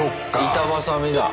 板挟みだ。